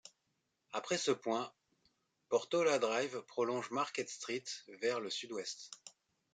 Après ce point, Portola Drive prolonge Market Street vers le sud-ouest.